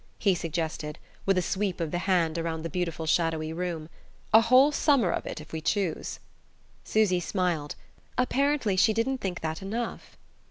he suggested, with a sweep of the hand around the beautiful shadowy room. "A whole summer of it if we choose." Susy smiled. "Apparently she didn't think that enough."